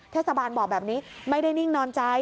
เทศบาลบอกแบบนี้ไม่ได้นิ่งนอนใจ